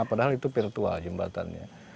padahal itu virtual jembatannya